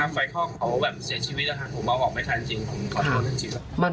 ถ้าไฟเคราะห์เขาแบบเสียชีวิตฐานผมเอาออกไม่ทันจริงผมขอโทษนะจริง